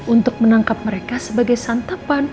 untuk menangkap mereka sebagai santapan